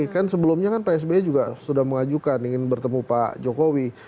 kan sebelumnya kan pak sby juga sudah mengajukan ingin bertemu pak jokowi